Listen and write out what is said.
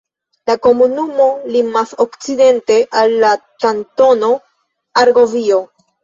La komunumo limas okcidente al la Kantono Argovio.